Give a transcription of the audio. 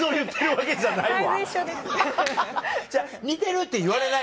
違う似てるって言われない？